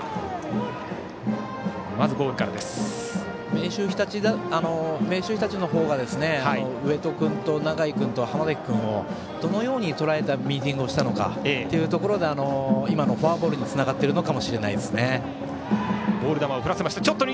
明秀日立の方が植戸君と永井君と浜崎君をどのようにとらえたミーティングをしたのかというところが今のフォアボールにつながってるのかもしれないです。